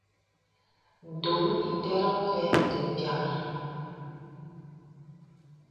Ndōm iterəŋ və̀ mde piàŋha.